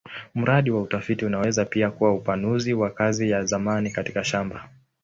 Mradi wa utafiti unaweza pia kuwa upanuzi wa kazi ya zamani katika shamba.